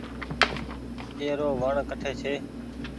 اي رو وڻ ڪٺي ڇي۔